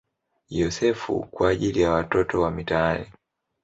Yosefu" kwa ajili ya watoto wa mitaani.